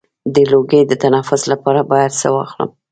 د لوګي د تنفس لپاره باید څه واخلم؟